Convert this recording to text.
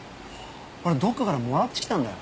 これどこかからもらってきたんだよ。